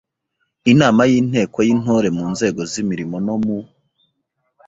Inama y’Inteko y’Intore mu nzego z’imirimo no mu